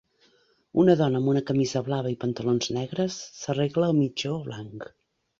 Una dona amb una camisa blava i pantalons negres s'arregla el mitjó blanc.